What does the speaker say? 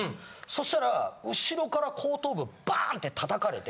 そしたら後ろから後頭部バンッて叩かれて。